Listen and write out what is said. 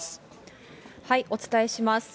お伝えします。